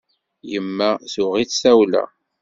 Yemma tuɣ-itt tawla.